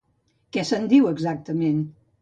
Què se'n diu, exactament?